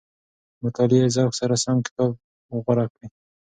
د مطالعې ذوق سره سم کتاب غوره کړئ.